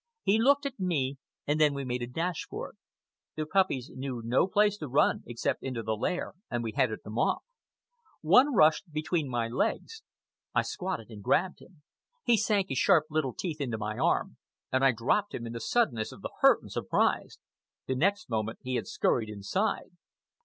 He looked at me, and then we made a dash for it. The puppies knew no place to run except into the lair, and we headed them off. One rushed between my legs. I squatted and grabbed him. He sank his sharp little teeth into my arm, and I dropped him in the suddenness of the hurt and surprise. The next moment he had scurried inside.